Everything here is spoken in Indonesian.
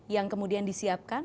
yang kemudian disiapkan